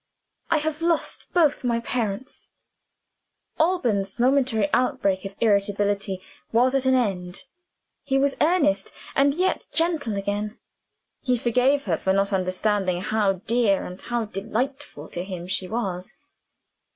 I have lost both my parents." Alban's momentary outbreak of irritability was at an end. He was earnest and yet gentle, again; he forgave her for not understanding how dear and how delightful to him she was.